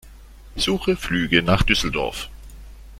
Suche Flüge nach Düsseldorf.